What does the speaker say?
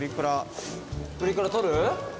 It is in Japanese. プリクラ撮る？